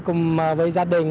cùng với gia đình